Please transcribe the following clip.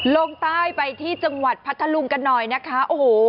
ลงใต้ไปที่จังหวัดพัทธารุมกันหน่อยนะคะ